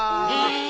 え。